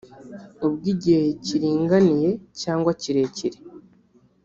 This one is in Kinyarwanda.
ubw’igihe kiringaniye cyangwa kirekire